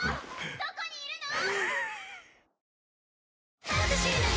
どこにいるの？